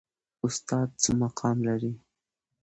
استاد څه مقام لري؟